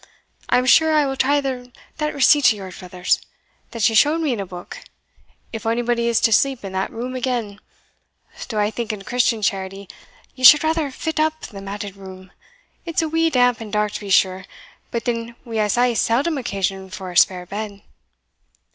I am sure I will try that receipt of yours, brother, that ye showed me in a book, if onybody is to sleep in that room again, though I think, in Christian charity, ye should rather fit up the matted room it's a wee damp and dark, to be sure, but then we hae sae seldom occasion for a spare bed."